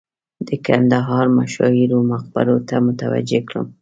د کندهار مشاهیرو مقبرو ته متوجه کړم.